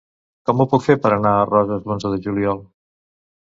Com ho puc fer per anar a Roses l'onze de juliol?